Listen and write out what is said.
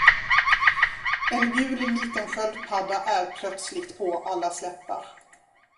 En gul liten sköldpadda är plötsligt på allas läppar.